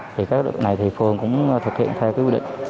thì các đối tượng này thì phường cũng thực hiện theo cái quy định